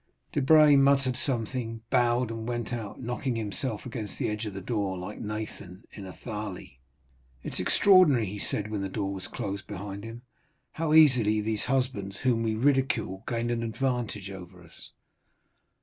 Debray muttered something, bowed and went out, knocking himself against the edge of the door, like Nathan in Athalie. "It is extraordinary," he said, when the door was closed behind him, "how easily these husbands, whom we ridicule, gain an advantage over us."